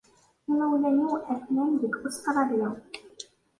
Imawlan-iw aten-an deg Ustṛalya.